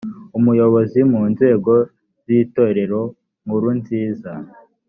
umuyobozi mu nzego z itorero inkuru nziza